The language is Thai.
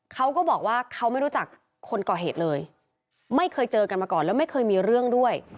เขาก็บอกว่าเขาไม่รู้จักคนก่อเหตุเลยไม่เคยเจอกันมาก่อนแล้วไม่เคยมีเรื่องด้วย